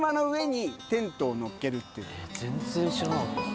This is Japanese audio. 全然知らなかったです。